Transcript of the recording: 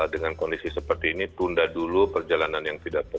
dengan kondisi seperti ini tunda dulu perjalanan yang tidak tepat